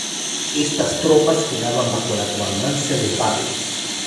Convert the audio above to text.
Estas tropas quedaban bajo la comandancia de Baden.